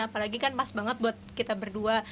apalagi kan pas banget buat kita berdua